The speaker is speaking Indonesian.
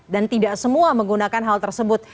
dan tidak semua menggunakan hal tersebut